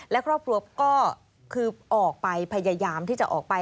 และครอบครัวก็คือออกไปพยายามที่จะออกไป